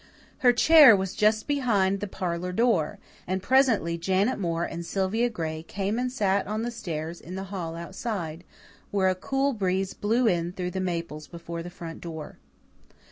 Her chair was just behind the parlour door, and presently Janet Moore and Sylvia Gray came and sat on the stairs in the hall outside, where a cool breeze blew in through the maples before the front door.